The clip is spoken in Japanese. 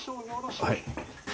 はい。